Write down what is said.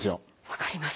分かります。